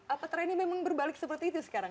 apa trennya memang berbalik seperti itu sekarang